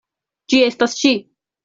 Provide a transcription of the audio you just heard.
Ĝi estas ŝi!